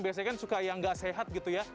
biasanya kan suka yang gak sehat gitu ya